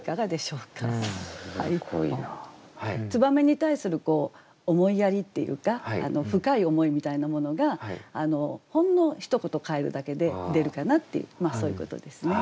燕に対する思いやりっていうか深い思いみたいなものがほんのひと言変えるだけで出るかなっていうそういうことですね。